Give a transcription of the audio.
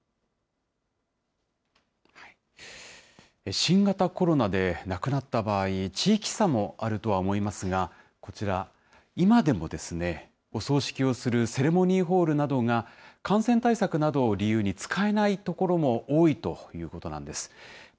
新型コロナで亡くなった場合、地域差もあるとは思いますが、こちら、今でも、お葬式をするセレモニーホールなどが、感染対策などを理由に、使えない所も多いということなんです。